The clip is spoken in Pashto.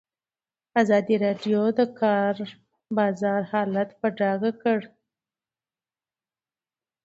ازادي راډیو د د کار بازار حالت په ډاګه کړی.